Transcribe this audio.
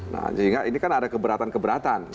nah sehingga ini kan ada keberatan keberatan